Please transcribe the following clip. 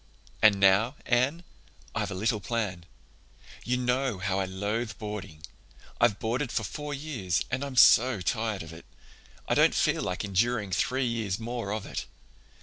"And now, Anne, I've a little plan. You know how I loathe boarding. I've boarded for four years and I'm so tired of it. I don't feel like enduring three years more of it.